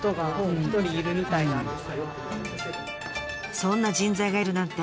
そんな人材がいるなんて